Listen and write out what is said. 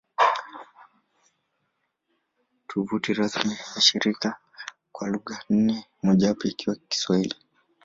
Tovuti rasmi ya shirika kwa lugha nne, mojawapo ikiwa Kiswahili